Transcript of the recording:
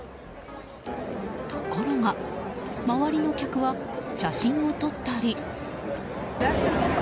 ところが周りの客は写真を撮ったり。